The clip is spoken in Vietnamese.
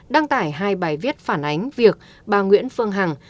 đăng tải hai bài viết phản ánh việc bà nguyễn phương hằng